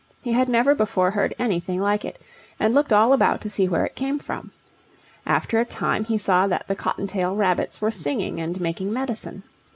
He had never before heard anything like it, and looked all about to see where it came from. After a time he saw that the cottontail rabbits were singing and making medicine.